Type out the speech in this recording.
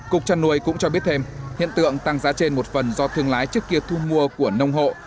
cục trăn nuôi cũng cho biết thêm hiện tượng tăng giá trên một phần do thương lái trước kia thu mua của nông hộ